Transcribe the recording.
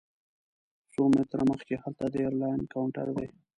څو متره مخکې هلته د ایرلاین کاونټر دی.